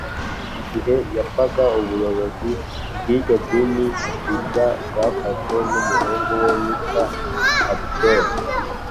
igihe yapfaga, ubuyobozi bw’iryo dini rishya bwafashwe n’umuhungu we witwaga ʽabdol